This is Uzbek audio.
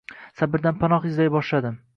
Sabrdan panoh izlay boshladim